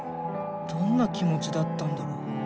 どんな気持ちだったんだろう。